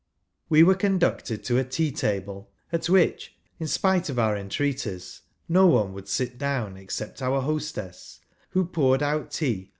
! We were conducted to a tea table, at which, in spite of our entreaties, no one would sit f down except our hostess, who poured out tea